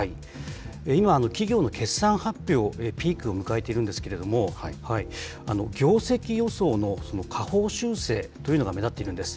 今、企業の決算発表、ピークを迎えているんですけれども、業績予想の下方修正というのが目立っているんです。